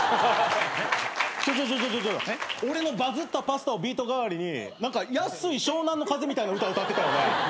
ちょちょちょ俺のバズったパスタをビート代わりに安い湘南乃風みたいな歌歌ってたよね。